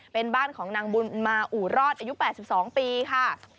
เป็นบ้านของนางบุญมาอู่รอดอายุ๘๒ปีค่ะ